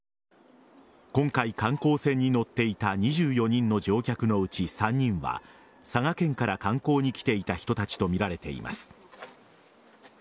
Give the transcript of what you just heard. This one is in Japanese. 今回、観光船に乗っていた２４人の乗客のうち３人は佐賀県から観光に来ていた人たちとみられています。